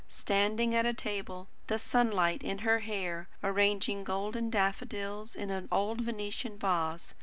standing at a table, the sunlight in her hair, arranging golden daffodils in an old Venetian vase.